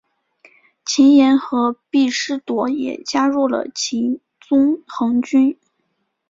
秦彦和毕师铎也加入了秦宗衡军。